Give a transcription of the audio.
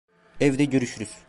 Evde görüşürüz.